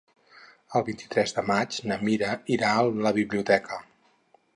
El vint-i-tres de maig na Mira irà a la biblioteca.